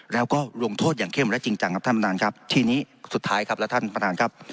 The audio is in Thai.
แล้วก็รวมโทษอย่างเข้มและจริงจังครับท่านประธานครับ